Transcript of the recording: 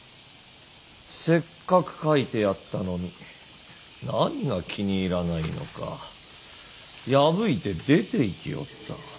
せっかく描いてやったのに何が気に入らないのか破いて出ていきおった。